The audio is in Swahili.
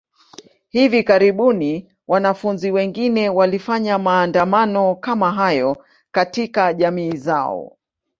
Hivi karibuni, wanafunzi wengine walifanya maandamano kama hayo katika jamii zao.